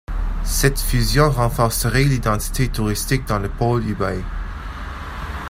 Cette fusion renforcerait l'identité touristique dans le pôle Ubaye.